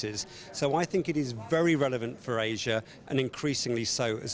jadi saya pikir ini sangat relevan untuk asia dan semakin banyak lagi